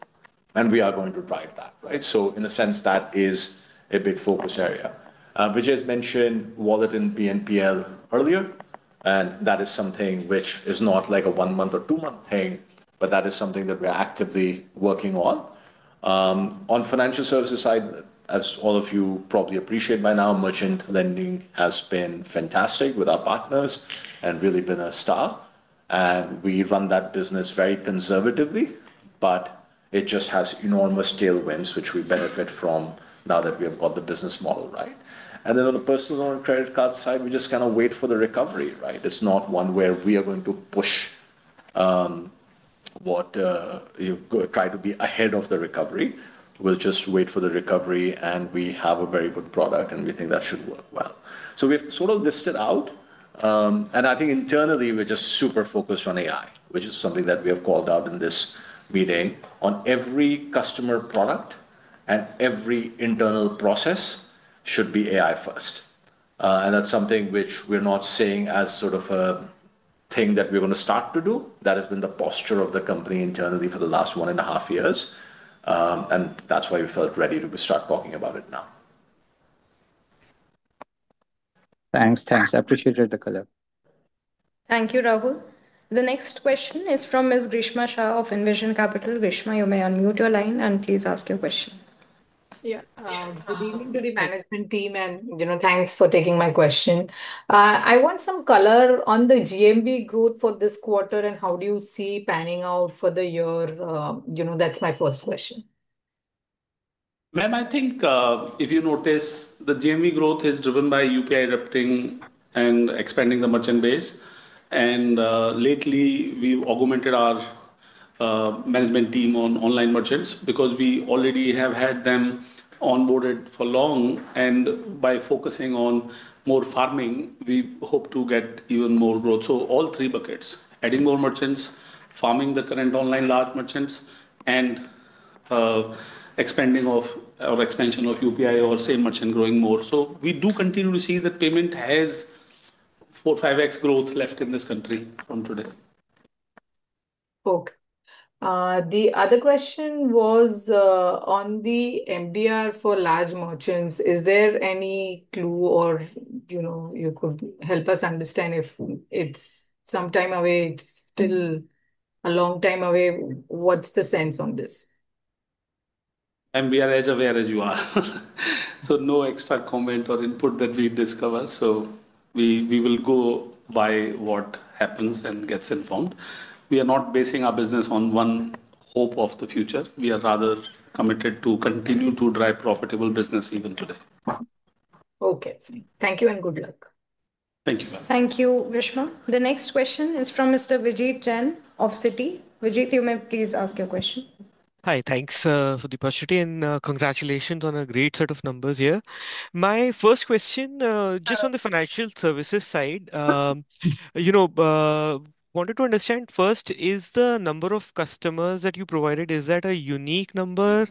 and we are going to drive that. Right? So in a sense, that is a big focus area. Vijay has mentioned wallet in P and P earlier, and that is something which is not like a one month or two month thing, but that is something that we are actively working on. On financial services side, as all of you probably appreciate by now, merchant lending has been fantastic with our partners and really been a star. And we run that business very conservatively, but it just has enormous tailwinds, which we benefit from now that we have got the business model right. And then on the personal and credit card side, we just kind of wait for the recovery, right. It's not one where we are going to push what try to be ahead of the recovery. We'll just wait for the recovery and we have a very good product and we think that should work well. So we've sort of listed out. And I think internally, we're just super focused on AI, is which something that we have called out in this meeting. On every customer product and every internal process should be AI first. And that's something which we're not seeing as sort of a thing that we're gonna start to do. That has been the posture of the company internally for the last one and a half years, and that's why we felt ready to start talking about it now. Thanks. Thanks. I appreciated the color. Thank you, Rahul. The next question is from miss Grishma Shah of Envision Capital. Grishma, you may unmute your line, and please ask your question. Yeah. Good evening to the management team, and, you know, thanks for taking my question. I want some color on the GMV growth for this quarter and how do you see panning out for the year. You know, that's my first question. Ma'am, I think if you notice, the GMV growth is driven by UK adapting and expanding the merchant base. And, lately, we've augmented our, management team on online merchants because we already have had them onboarded for long. And by focusing on more farming, we hope to get even more growth. So all three buckets, adding more merchants, farming the current online large merchants, and expanding of or expansion of UPI or same merchant growing more. So we do continue to see that payment has four, five x growth left in this country from today. Okay. The other question was, on the MDR for large merchants. Is there any clue or, you know, you could help us understand if it's some time away, it's still a long time away. What's the sense on this? And we are as aware as you are. So no extra comment or input that we discover. So we we will go by what happens and gets informed. We are not basing our business on one hope of the future. We are rather committed to continue to drive profitable business even today. Okay. Thank you and good luck. Thank you, ma'am. Thank you, Vishma. The next question is from Mr. Vajit Chen of Citi. Vijay, you may please ask your question. Hi. Thanks, Fudipash, and congratulations on a great set of numbers here. My first question, just on the financial services side, know, wanted to understand first, is the number of customers that you provided, is that a unique number,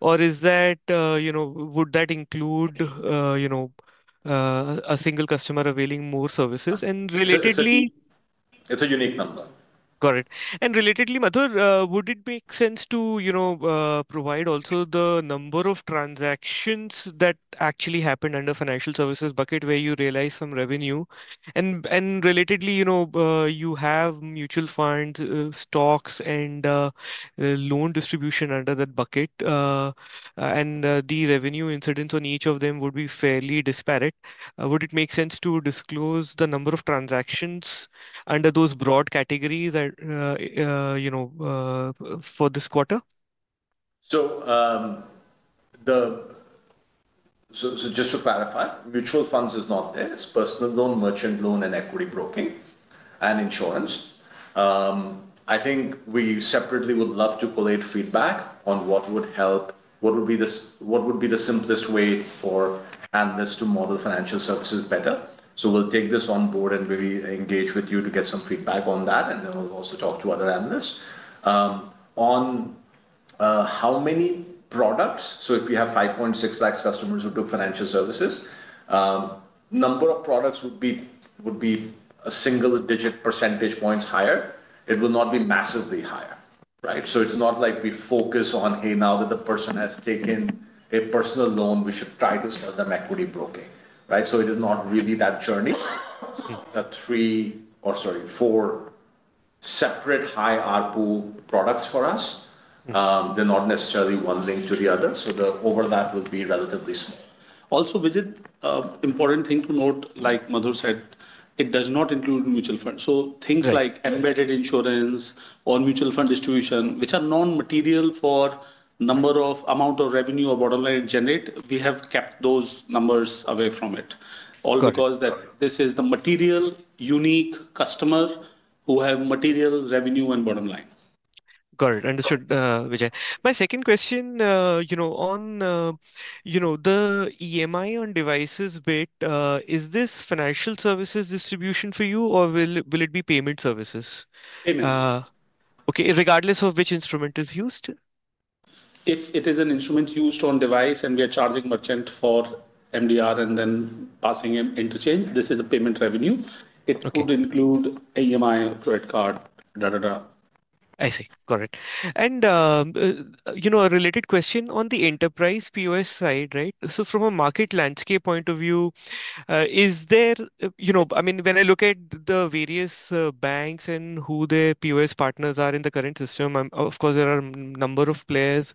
or is that, you know, would that include, you know, a single customer availing more services? And relatedly It's a unique number. Got it. And relatedly, Madhur, would it make sense to, you know, provide also the number of transactions that actually happened under financial services bucket where you realize some revenue? And and, relatively, you know, you have mutual fund, stocks, and loan distribution under that bucket, and the revenue incidents on each of them would be fairly disparate. Would it make sense to disclose the number of transactions under those broad categories that, you know, for this quarter? So the so so just to clarify, mutual funds is not there. It's personal loan, merchant loan, and equity broking and insurance. I think we separately would love to collate feedback on what would help what would be this what would be the simplest way for analysts to model financial services better. So we'll take this on board and really engage with you to get some feedback on that, and then we'll also talk to other analysts. On, how many products, so if we have 5.6 lakhs customers who took financial services, number of products would be would be a single digit percentage points higher. It will not be massively higher. Right? So it's not like we focus on, hey. Now that the person has taken a personal loan, we should try to sell them equity broking. Right? So it is not really that journey. Three or sorry, four separate high ARPU products for us. They're not necessarily one link to the other. So the overlap would be relatively small. Also, Vijay, important thing to note, like Madhu said, it does not include mutual funds. So things like embedded insurance or mutual fund distribution, which are nonmaterial for number of amount of revenue or bottom line generate, we have kept those numbers away from it. All because that this is the material, unique customer who have material revenue and bottom line. Got it. Understood, Vijay. My second question, you know, on, you know, the EMI on devices bit, is this financial services distribution for you, or will will it be payment services? Payments. Okay. Regardless of which instrument is used? If it is an instrument used on device and we are charging merchant for MDR and then passing in interchange, this is the payment revenue. It could include EMI, credit card, da da da. I see. Got it. And, you know, a related question on the enterprise POS side. Right? So from a market landscape point of view, is there you know, I mean, when I look at the various banks and who their POS partners are in the current system, Of course, there are number of players.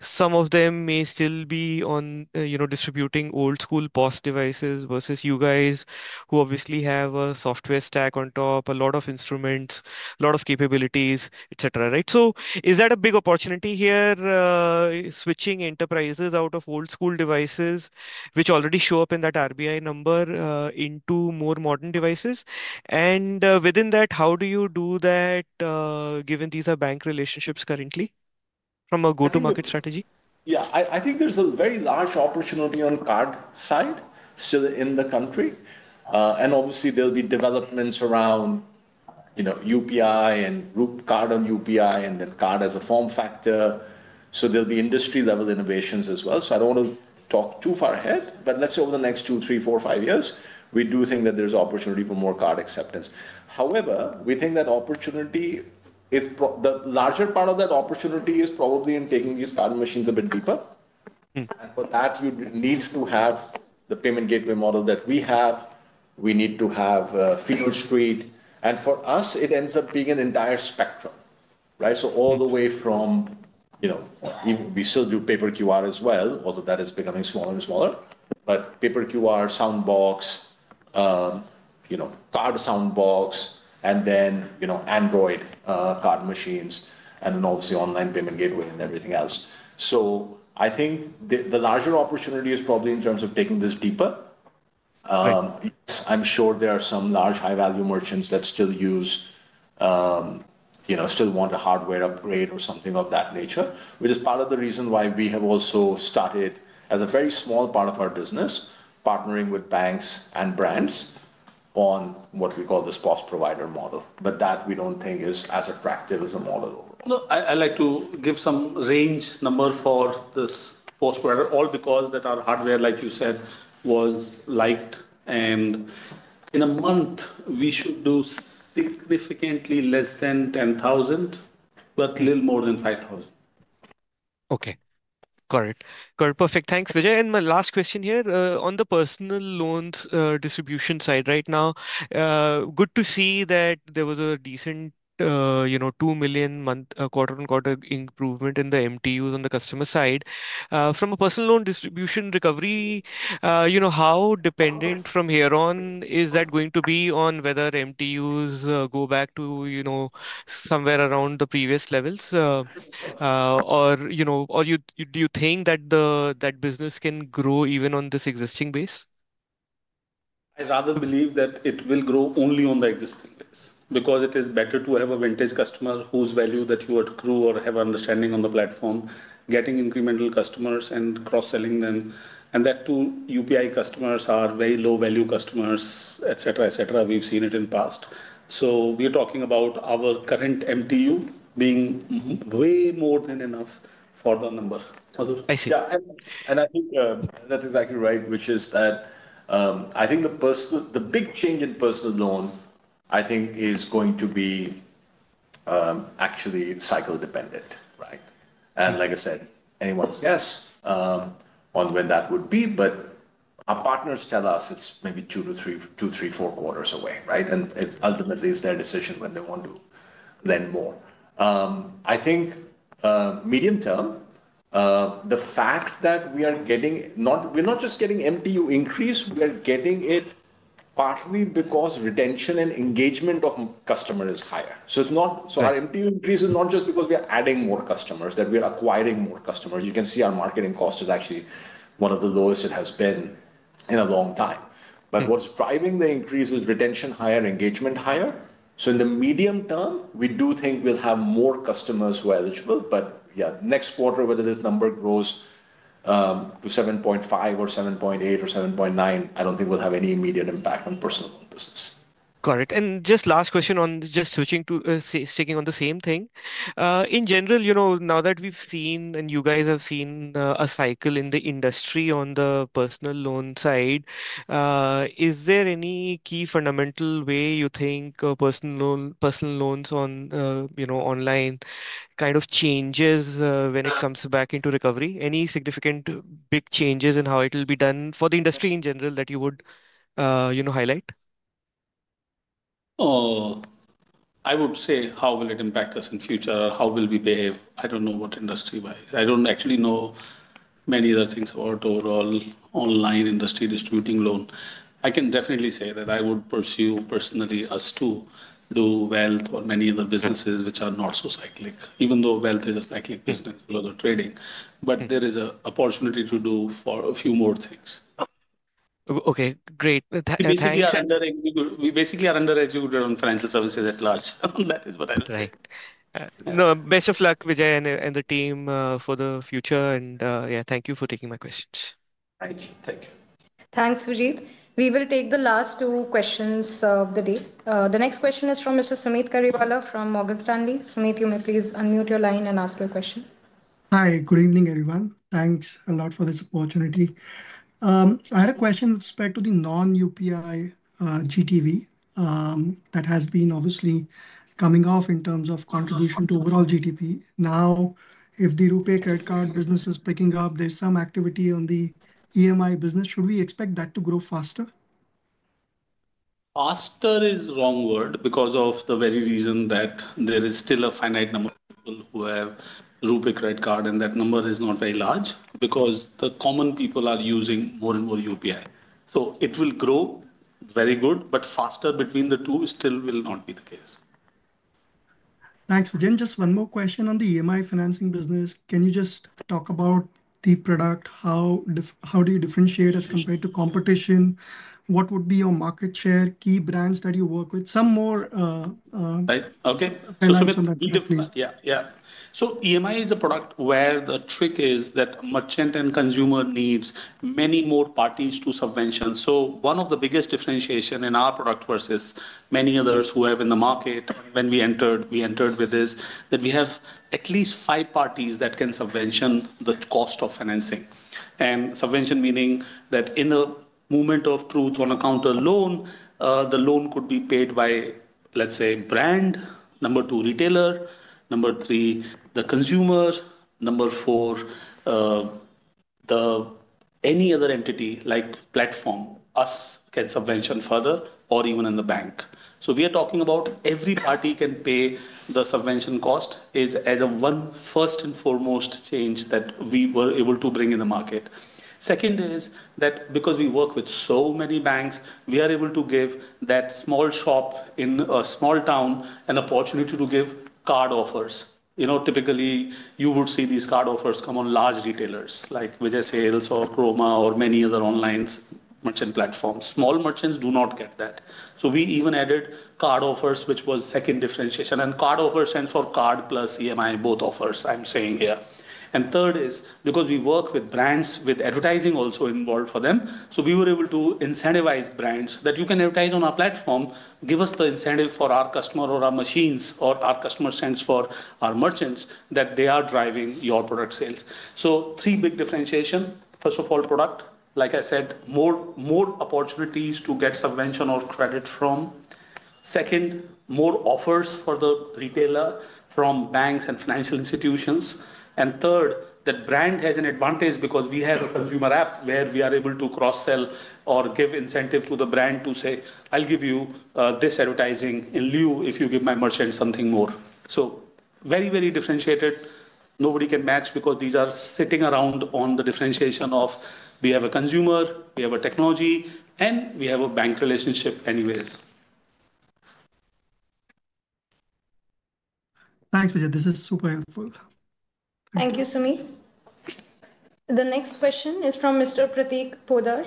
Some of them may still be on, you know, distributing old school POS devices versus you guys who obviously have a software stack on top, a lot of instruments, lot of capabilities, etcetera. Right? So is that a big opportunity here, switching enterprises out of old school devices, which already show up in that RBI number, into more modern devices? And, within that, how do you do that given these are bank relationships currently from a go to market strategy? Yeah. I I think there's a very large opportunity on card side still in the country. And, obviously, there'll be developments around, you know, UPI and group card on UPI and then card as a form factor. So there'll be industry level innovations as well. So I don't wanna talk too far ahead, but let's say over the next two, three, four, five years, we do think that there's opportunity for more card acceptance. However, we think that opportunity is the larger part of that opportunity is probably in taking these card machines a bit deeper. And for that, you need to have the payment gateway model that we have. We need to have field Street. And for us, it ends up being an entire spectrum. Right? So all the way from, you know, we still do paper QR as well, although that is becoming smaller and smaller. But paper QR, Soundbox, card sound box, and then Android card machines, and then obviously online payment gateway and everything else. So I think the larger opportunity is probably in terms of taking this deeper. I'm sure there are some large high value merchants that still use still want a hardware upgrade or something of that nature, which is part of the reason why we have also started as a very small part of our business, partnering with banks and brands on what we call this post provider model. But that we don't think is as attractive as a model overall. No. I I like to give some range number for this post quarter all because that our hardware, like you said, was liked. And in a month, we should do significantly less than 10,000, but little more than 5,000. Okay. Got it. Got it. Perfect. Thanks, Vijay. And my last question here, on the personal loans, distribution side right now, good to see that there was a decent, you know, 2,000,000 month quarter on quarter improvement in the MTUs on the customer side. From a personal loan distribution recovery, you know, how dependent from here on is that going to be on whether MTUs, go back to, you know, somewhere around the previous levels? Or, you know, or you do you think that the that business can grow even on this existing base? I rather believe that it will grow only on the existing because it is better to have a vintage customer whose value that you accrue or have understanding on the platform, getting incremental customers and cross selling them. And that too, UPI customers are very low value customers, etcetera, etcetera. We've seen it in past. So we're talking about our current MTU being Mhmm. Way more than enough for the number, Sadhu. I see. Yeah. And I think that's exactly right, which is that I think the person the big change in personal loan, I think, is going to be actually cycle dependent. Right? And like I said, anyone's guess on when that would be, but our partners tell us it's maybe two to three two, three, four quarters away. Right? And it's ultimately is their decision when they want to lend more. I think medium term, the fact that we are getting not we're not just getting MTU increase, we are getting it partly because retention and engagement of customer is higher. So it's not so our MTU increase is not just because we are adding more customers, that we are acquiring more customers. You can see our marketing cost is actually one of the lowest it has been in a long time. But what's driving the increase is retention higher, engagement higher. So in the medium term, we do think we'll have more customers who are eligible. But, yeah, next quarter, whether this number grows to 7.5 or 7.8 or 7.9, I don't think we'll have any immediate impact on personal business. Got it. And just last question on just switching to sticking on the same thing. In general, you know, now that we've seen and you guys have seen a cycle in the industry on the personal loan side, is there any key fundamental way you think personal loan personal loans on, you know, online kind of changes, when it comes back into recovery? Any significant big changes in how it will be done for the industry in general that you would, you know, highlight? Oh, I would say how will it impact us in future, how will we behave. I don't know what industry wise. I don't actually know many other things or total online industry distributing loan. I can definitely say that I would pursue personally us to do wealth or many other businesses which are not so cyclic, even though wealth is a cyclic business below the trading. But there is a opportunity to do for a few more things. Okay. Great. And thanks. Under we will we basically are under as you do on financial services at large. That is what I'll say. No. Best of luck, Vijay, and and the team for the future, and, yeah, thank you for taking my questions. Thank Thanks, Sujit. We will take the last two questions of the day. The next question is from mister Samit Karipala from Morgan Stanley. Samit, you may please unmute your line and ask your question. Hi. Good evening, everyone. Thanks a lot for this opportunity. I had a question with respect to the non UPI GTV that has been obviously coming off in terms of contribution to overall GDP. Now if the Rupee credit card business is picking up, there's some activity on the EMI business. Should we expect that to grow faster? Faster is wrong word because of the very reason that there is still a finite number of people who have rupee credit card, and that number is not very large because the common people are using more and more UPI. So it will grow very good, but faster between the two still will not be the case. Thanks, Vijay. Just one more question on the EMI financing business. Can you just talk about the product? How how do you differentiate as compared to competition? What would be your market share, key brands that you work with? Some more Right. Okay. Answer some of Yeah. Yeah. So EMI is a product where the trick is that merchant and consumer needs many more parties to subvention. So one of the biggest differentiation in our product versus many others who have in the market, when we entered, we entered with this, that we have at least five parties that can subvention the cost of financing. And subvention meaning that in a moment of truth on account alone, the loan could be paid by, let's say, number two, retailer, number three, the consumer, number four, the any other entity like platform, us can subvention further or even in the bank. So we are talking about every party can pay the subvention cost is as a one first and foremost change that we were able to bring in the market. Second is that because we work with so many banks, we are able to give that small shop in a small town an opportunity to give card offers. You know, typically, you will see these card offers come on large retailers, like with their sales or Chroma or many other online merchant platforms. Small merchants do not get that. So we even added card offers, which was second differentiation. And card offers and for card plus EMI, both offers, I'm saying here. And third is because we work with brands with advertising also involved for them, so we were able to incentivize brands that you can advertise on our platform, give us the incentive for our customer or our machines or our customer sends for our merchants that they are driving your product sales. So three big differentiation. First of all, product. Like I said, more more opportunities to get some conventional credit from. Second, more offers for the retailer from banks and financial institutions. And third, that brand has an advantage because we have a consumer app where we are able to cross sell or give incentive to the brand to say, I'll give you this advertising in lieu if you give my merchant something more. So very, very differentiated. Nobody can match because these are sitting around on the differentiation of we have a consumer, we have a technology, and we have a bank relationship anyways. Thanks, Vijaya. This is super helpful. Thank you, Sumeet. The next question is from mister Prateek Poudar.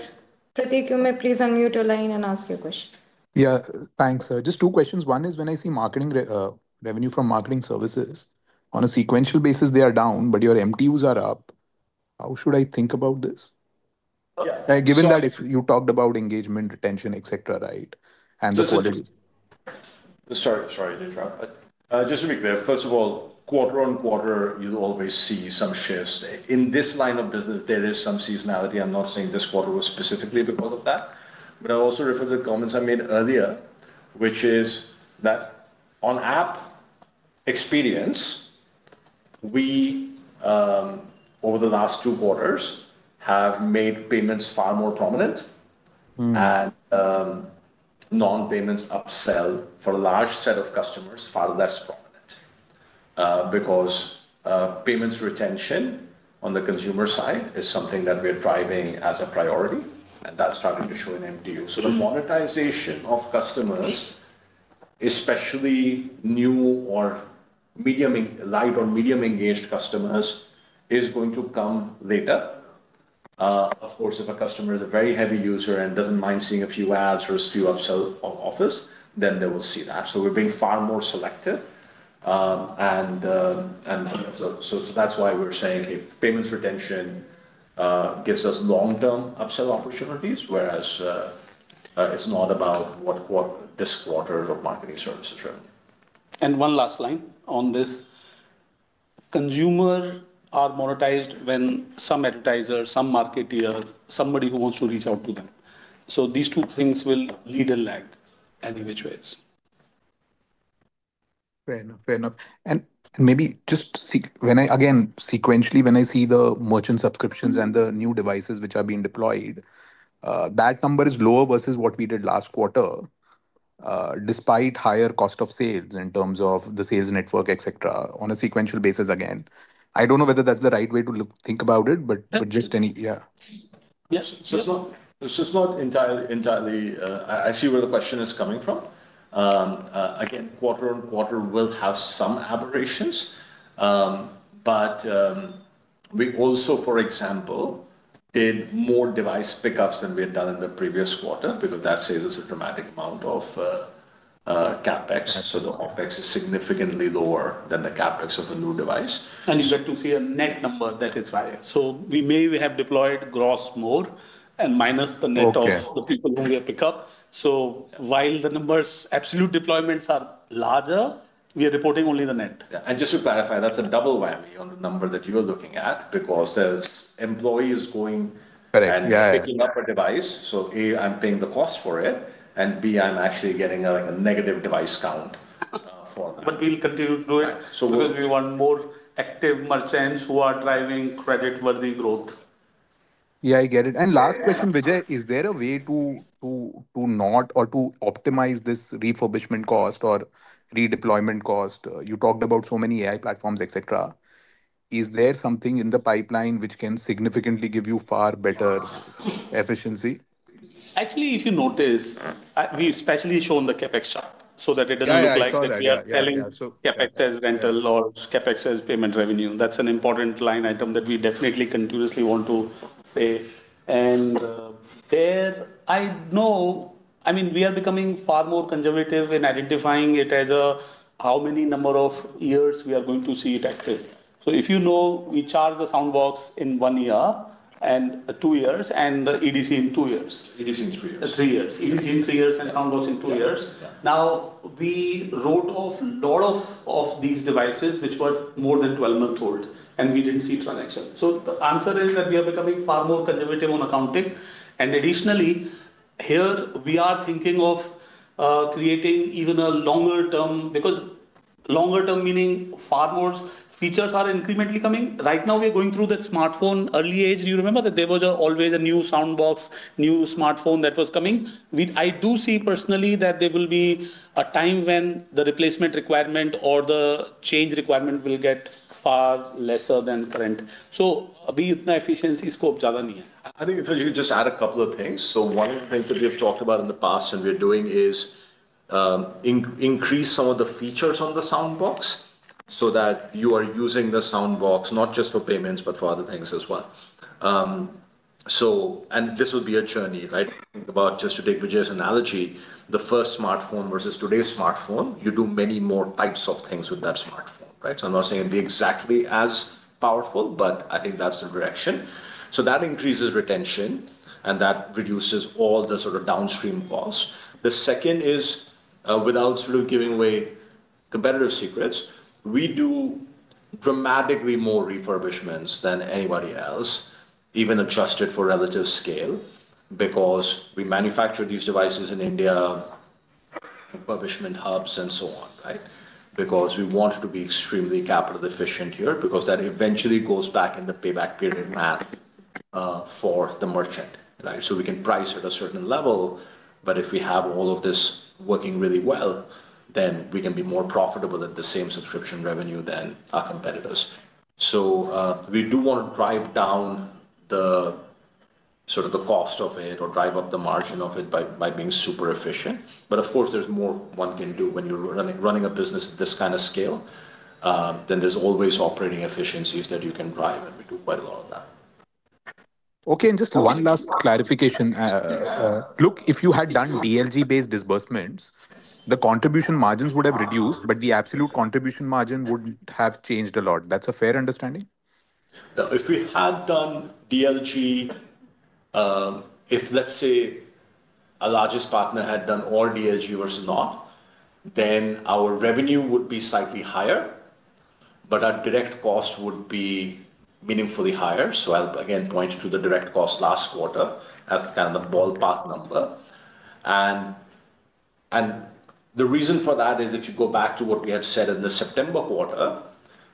Prateek, you may please unmute your line and ask your question. Yeah. Thanks, sir. Just two questions. One is when I see marketing revenue from marketing services, on a sequential basis, they are down, but your MTUs are up. How should I think about this? Yeah. Given that if you talked about engagement, retention, etcetera, right, and the Sorry. Quarterly Sorry, Dhitra. Just to be clear, first of all, quarter on quarter, you'll always see some shares there. In this line of business, there is some seasonality. I'm not saying this quarter was specifically because of that. But I also refer to the comments I made earlier, which is that on app experience, we, over the last two quarters, have made payments far more prominent and non payments upsell for a large set of customers far less prominent. Because payments retention on the consumer side is something that we're driving as a priority, and that's starting to show an empty use. So the monetization of customers, especially new or medium light or medium engaged customers is going to come later. Of course, if a customer is a very heavy user and doesn't mind seeing a few ads or a few upsell of office, then they will see that. So we're being far more selective. And and so so that's why we're saying, hey. Payments retention gives us long term upsell opportunities, whereas it's not about what what this quarter of marketing services revenue. And one last line on this. Consumer are monetized when some advertisers, some marketeer, somebody who wants to reach out to them. So these two things will lead a lag, and in which ways. Fair enough. Fair enough. And maybe just seek when I again, sequentially, when I see the merchant subscriptions and the new devices which are being deployed, that number is lower versus what we did last quarter, despite higher cost of sales in terms of the sales network, etcetera, on a sequential basis again. I don't know whether that's the right way to look think about it, but but just any yeah. Yes. So it's not it's just not entirely entirely I I see where the question is coming from. Again, quarter on quarter will have some aberrations, but we also, for example, did more device pickups than we had done in the previous quarter because that saves us a dramatic amount of CapEx. So the OpEx is significantly lower than the CapEx of a new device. And you get to see a net number that is higher. So we may we have deployed gross more and minus the net of the people whom we have picked up. So while the numbers absolute deployments are larger, are reporting only the net. Yeah. And just to clarify, that's a double whammy on the number that you are looking at because there's employees going Correct. Yeah. Picking up a device. So, a, I'm paying the cost for it, and, b, I'm actually getting a, like, a negative device count for them. But we'll continue to do it because we want more active merchants who are driving credit worthy growth. Yeah. I get it. And last question, Vijay, is there a way to to to not or to optimize this refurbishment cost or redeployment cost? You talked about so many AI platforms, etcetera. Is there something in the pipeline which can significantly give you far better efficiency? Actually, if you notice, we've especially shown the CapEx chart look like we are selling CapEx as rental or CapEx as payment revenue. That's an important line item that we definitely continuously want to say. And there, I know I mean, we are becoming far more conservative in identifying it as a how many number of years we are going to see it active. So if you know, we charge the sound box in one year and two years, and it is in two years. EDC in three years. Three years. EDC in three years and Soundbox in two years. Yeah. Now we wrote off lot of of these devices which were more than twelve month old, and we didn't see transaction. So the answer is that we are becoming far more conservative on accounting. And additionally, here, we are thinking of creating even a longer term because longer term meaning far more features are incrementally coming. Right now, we're going through that smartphone early age. Do you remember that there was always a new sound box, new smartphone that was coming? We I do see personally that there will be a time when the replacement requirement or the change requirement will get far lesser than current. So efficiency scope I think, Phil, you just add a couple of things. So one of the things that we have talked about in the past and we're doing is increase some of the features on the sound box so that you are using the sound box not just for payments but for other things as well. So and this will be a journey. Right? Think about just to take Vijay's analogy, the first smartphone versus today's smartphone, you do many more types of things with that smartphone. Right? So I'm not saying it'd be exactly as powerful, but I think that's the direction. So that increases retention, and that reduces all the sort of downstream calls. The second is, without sort of giving away competitive secrets, we do dramatically more refurbishments than anybody else, even adjusted for relative scale because we manufacture these devices in India, refurbishment hubs, so on. Right? Because we want to be extremely capital efficient here because that eventually goes back in the payback period map for the merchant. Right? So we can price at a certain level, but if we have all of this working really well, then we can be more profitable at the same subscription revenue than our competitors. So we do wanna drive down the sort of the cost of it or drive up the margin of it by by being super efficient. But, of course, there's more one can do when you're running running a business at this kind of scale, then there's always operating efficiencies that you can drive, and we do quite a lot of that. Okay. And just one last clarification. Look, if you had done DLG based disbursements, the contribution margins would have reduced, but the absolute contribution margin wouldn't have changed a lot. That's a fair understanding? If we had done DLG, if, let's say, our largest partner had done all DLG versus not, then our revenue would be slightly higher, but our direct cost would be meaningfully higher. So I'll again point to the direct cost last quarter as kind of the ballpark number. And and the reason for that is if you go back to what we have said in the September,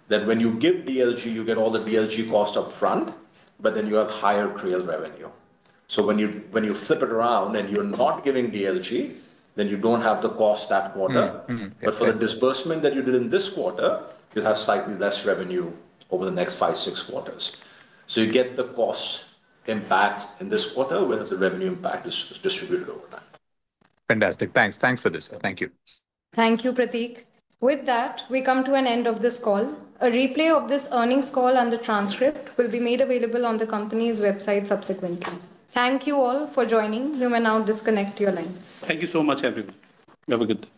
that when you give DLG, you get all the DLG cost upfront, but then you have higher Creel revenue. So when you when you flip it around and you're not giving DLG, then you don't have the cost that quarter. But for the disbursement that you did in this quarter, you'll have slightly less revenue over the next five, six quarters. So you get the cost impact in this quarter, whereas the revenue impact is distributed over time. Fantastic. Thanks. Thanks for this. Thank you. Thank you, Prateek. With that, we come to an end of this call. A replay of this earnings call and the transcript will be made available on the company's website subsequently. Thank you all for joining. You may now disconnect your lines. Thank you so much, everyone. Have a good day.